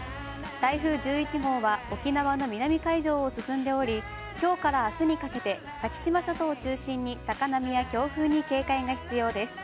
台風１１号は沖縄の南海上を進んでおり、きょうからあすにかけて先島諸島を中心に高波や強風に警戒が必要です。